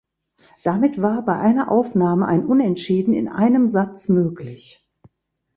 Damit war bei einer Aufnahme ein Unentschieden in einem Satz möglich.